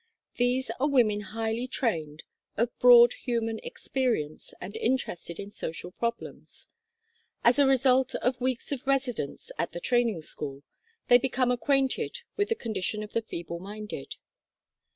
These are women highly trained, of broad human experience, and interested in social problems. As a result of weeks of residence at the Training School, they become acquainted with the condition of the feeble minded.